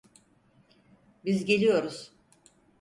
Biz geliyoruz.